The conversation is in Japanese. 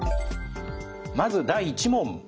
まず第１問。